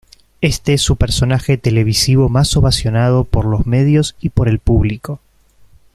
Este es su personaje televisivo más ovacionado por los medios y por el público.